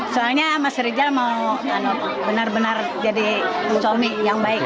soalnya mas rizal mau benar benar jadi suami yang baik